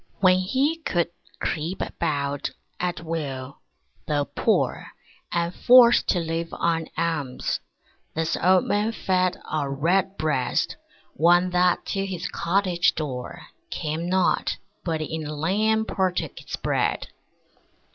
When he could creep about, at will, though poor And forced to live on alms, this old Man fed A Redbreast, one that to his cottage door Came not, but in a lane partook his bread.